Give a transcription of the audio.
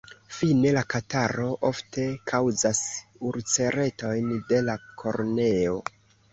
Fine la kataro ofte kaŭzas ulceretojn de la korneo.